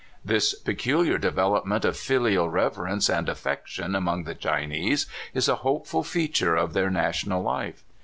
This peculiar development of filial reverence and aifection among the Chinese is a hopeful feat ure of their national life.